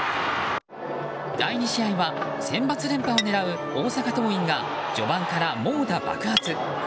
第２試合はセンバツ連覇を狙う大阪桐蔭が序盤から猛打爆発。